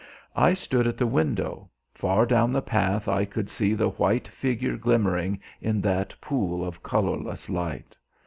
I stood at the window; far down the path I could see the white figure glimmering in that pool of colourless light.